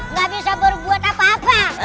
nggak bisa berbuat apa apa